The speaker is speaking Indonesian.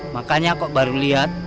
makanya kok baru lihat